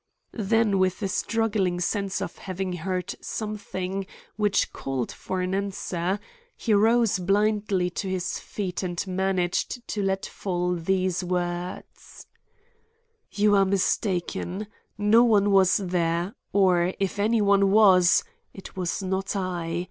Then with a struggling sense of having heard something which called for answer, he rose blindly to his feet and managed to let fall these words: "You are mistaken—no one was there, or if any one was—it was not I.